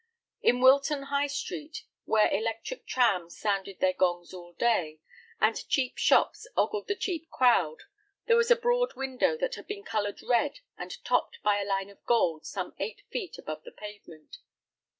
In Wilton High Street, where electric trams sounded their gongs all day, and cheap shops ogled the cheap crowd, there was a broad window that had been colored red and topped by a line of gold some eight feet above the pavement.